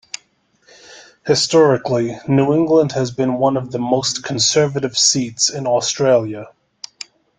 Historically, New England has been one of the most conservative seats in Australia.